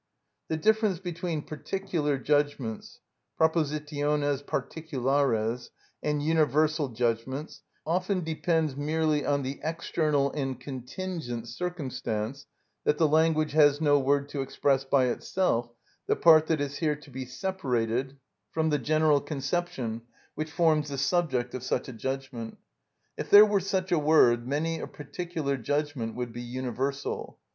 The difference between particular judgments (propositiones particulares) and universal judgments often depends merely on the external and contingent circumstance that the language has no word to express by itself the part that is here to be separated from the general conception which forms the subject of such a judgment. If there were such a word many a particular judgment would be universal.